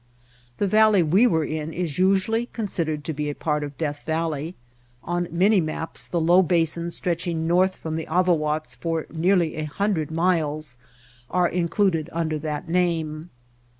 The valley we were in is usually considered to be a part of Death Valley; on many maps the low basins stretching north from the Avawatz for nearly a hundred miles are in cluded under that name.